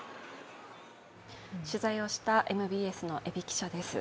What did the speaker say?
取材をしたＭＢＳの海老記者です。